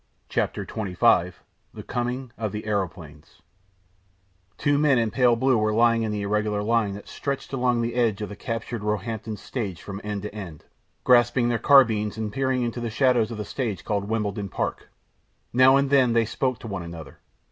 CHAPTER XXV THE COMING OF THE AEROPLANES Two men in pale blue were lying in the irregular line that stretched along the edge of the captured Roehampton stage from end to end, grasping their carbines and peering into the shadows of the stage called Wimbledon Park. Now and then they spoke to one another.